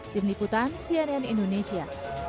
tim liputan cnn indonesia